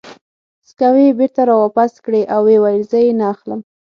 سکوې یې بېرته را واپس کړې او ویې ویل: زه یې نه اخلم.